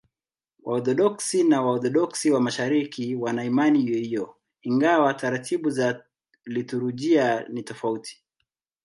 Waorthodoksi na Waorthodoksi wa Mashariki wana imani hiyohiyo, ingawa taratibu za liturujia ni tofauti.